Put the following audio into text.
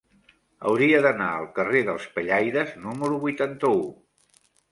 Hauria d'anar al carrer dels Pellaires número vuitanta-u.